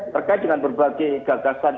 terkait dengan berbagai gagasan